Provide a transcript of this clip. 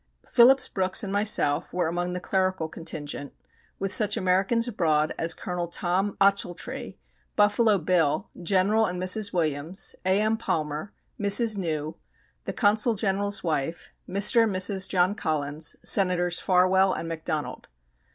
Phillips Brooks and myself were among the clerical contingent, with such Americans abroad as Colonel Tom Ochiltree, Buffalo Bill, General and Mrs. Williams, A.M. Palmer, Mrs. New, the Consul General's wife, Mr. and Mrs. John Collins, Senators Farwell and McDonald.